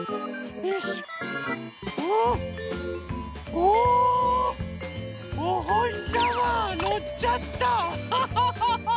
おほしさまのっちゃったハハハハハ！